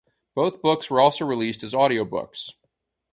Both books were also released as audio books.